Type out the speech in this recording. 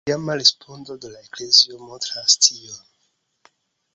La tiama respondo de la eklezio montras tion.